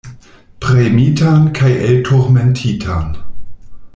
Premitan kaj elturmentitan.